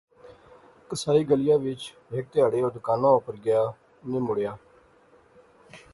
قصائی گلیا وچ، ہیک تہاڑے او دکانا اپر گیا، نی مڑیا